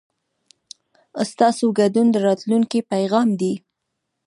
ستاسو ګډون د راتلونکي پیغام دی.